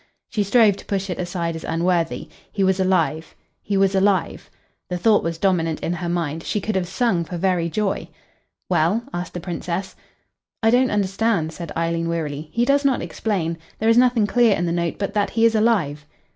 She strove to push it aside as unworthy. He was alive. He was alive. The thought was dominant in her mind. She could have sung for very joy. "Well?" asked the Princess. "I don't understand," said Eileen wearily. "He does not explain. There is nothing clear in the note but that he is alive."